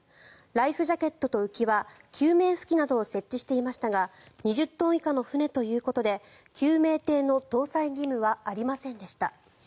ライフジャケットと浮輪救命浮器などを設置していましたが２０トン以下の船ということで救命艇の搭載義務はありませんでした。